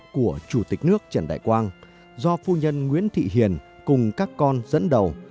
của chủ tịch nước trần đại quang do phu nhân nguyễn thị hiền cùng các con dẫn đầu